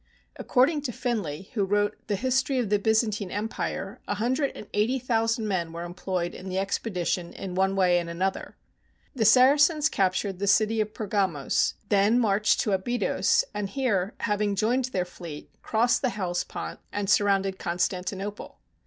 According to Finlay, who wrote the " History of the Byzantine Empire," a hundred and eighty thousand men were employed in the expedition in one way and another. The Saracens captured the city of Pergamos, then marched to Abydos, and here, having joined their fleet, crossed the Hellespont and surrounded Constantinople.